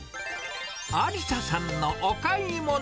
ありささんのお買い物。